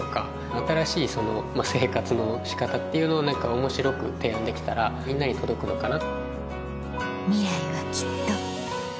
新しい生活の仕方っていうのを面白く提案できたらみんなに届くのかな。